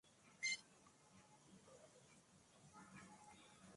ছায়ানট থেকে রবীন্দ্রসংগীতের ওপর কোর্স শেষ করে এখন সেখানেই শিক্ষকতা করছেন।